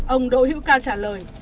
ông đội hữu ca trả lời